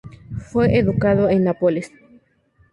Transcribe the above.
Fue educado en Nápoles.